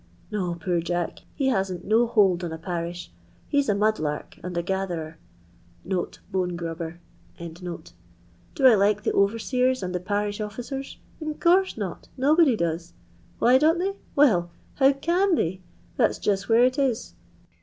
No, poor Jack, he hasn't no hold on a parish ; he's a nmd*lark and a gatherer [bone grubber]. Do I like the overseers and the parish ofRcers 1 In course not, nobody does. Why don't they 1 W^ell, how can they 1 that 's just where it is.